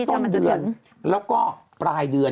ต้นเดือนแล้วก็ปลายเดือน